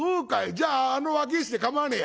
じゃああの若え衆で構わねえや。